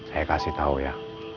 saya kasih tau ya